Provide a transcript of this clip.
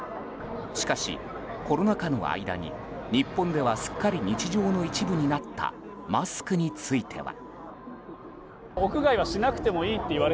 しかし、コロナ禍の間に日本ではすっかり日常の一部になったマスクについては。